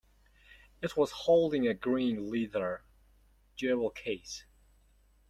It was holding a green leather jewel-case.